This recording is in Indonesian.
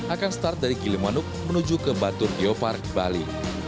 akan start dari gilimanuk menuju ke batur geopark bali